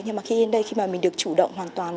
nhưng mà khi đến đây khi mà mình được chủ động hoàn toàn